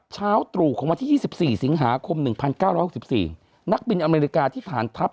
เช้าตรู่ของวันที่๒๔สิงหาคม๑๙๖๔นักบินอเมริกาที่ฐานทัพ